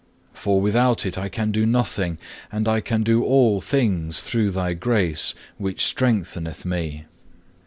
For without it I can do nothing, but I can do all things through Thy grace which strengtheneth me.